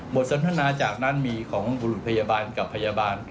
สนทนาจากนั้นมีของบุรุษพยาบาลกับพยาบาล